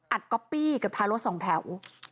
อัดก๊อปปี้กับท้ายรถ๒แถว